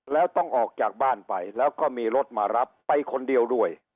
แล้วต้องออกจากบ้านไปแล้วก็มีรถมารับไปคนเดียวด้วย